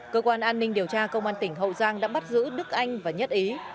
cơ quan an ninh điều tra công an tỉnh hậu giang đã bắt giữ đức anh và nhất ý